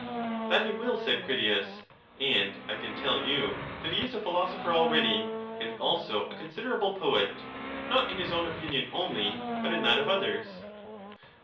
That he will, said Critias, and I can tell you that he is a philosopher already, and also a considerable poet, not in his own opinion only, but in that of others.